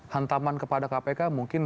hantaman kepada kpk mungkin